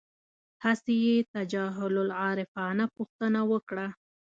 هسې یې تجاهل العارفانه پوښتنه وکړه.